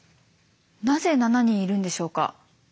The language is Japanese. なぜ７人いるんでしょうか？